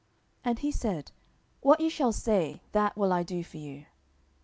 And he said, What ye shall say, that will I do for you.